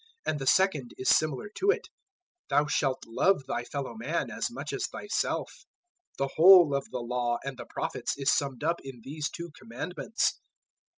022:039 And the second is similar to it: `Thou shalt love thy fellow man as much as thyself.' 022:040 The whole of the Law and the Prophets is summed up in these two Commandments."